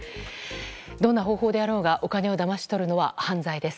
どんな方法であろうがお金をだまし取るのは犯罪です。